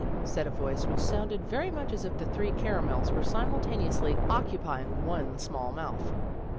said a voice, which sounded very much as if the three caramels were simultaneously occupying one small mouth.